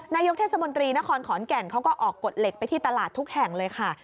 นายกเทศมนตรีนครขอนแก่นเขาก็ออกกฎเหล็กไปที่ตลาดทุกแห่งเลยค่ะ